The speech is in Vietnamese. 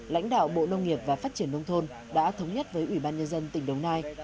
lãnh đạo bộ nông nghiệp và phát triển nông thôn đã thống nhất với ủy ban nhân dân tỉnh đồng nai